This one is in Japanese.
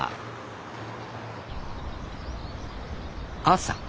朝。